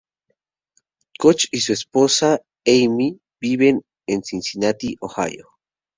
Koch y su esposa Amy viven en Cincinnati, Ohio.